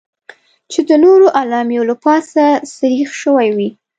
چې د نورو اعلامیو له پاسه سریښ شوې وې.